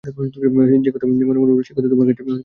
যে কথা মনে মনে বলি সে কথা তোমার কাছে মুখে বলতে অপরাধ নেই।